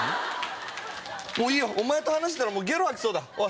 もういいよお前と話してたらゲロ吐きそうだ。